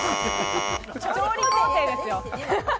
調理工程ですよ。